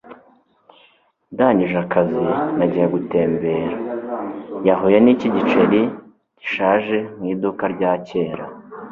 Ndangije akazi, nagiye gutembera. Yahuye n'iki giceri gishaje mu iduka rya kera.